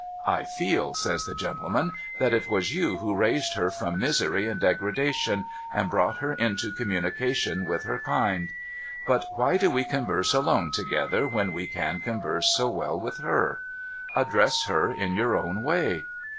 ' I feel,' says the gentleman, ' that it was you who raised her from misery and degradation, and brought her into communication with her kind. But why do we converse alone together, when we can converse so well with her ? Address her in your own way.'